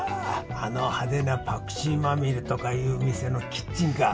あの派手な「パクチーマミレ」とかいう店のキッチンカー